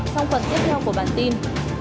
xong phần tiếp theo của bản tin